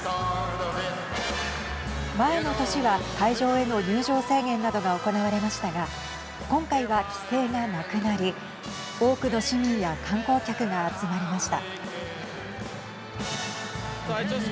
前の年は会場への入場制限などが行われましたが今回は規制がなくなり多くの市民や観光客が集まりました。